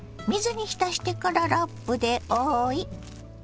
水に浸してからラップで覆い。